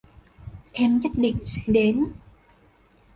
Em nhất định sẽ đến